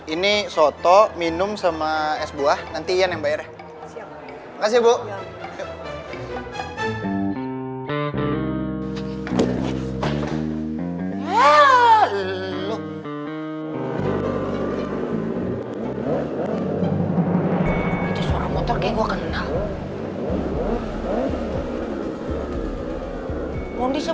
ini soto minum sama es buah nanti yang bayarnya